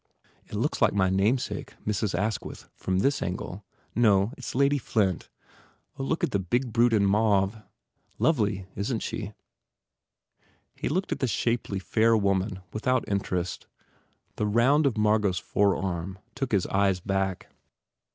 "It looks like my namesake, Mrs. Asquith, from this angle. No, it s Lady Flint. Oh, look at the big brute in mauve. Lovely, isn t she?" He looked at the shapely, fair woman without interest. The round of Margot s forearm took his eyes back.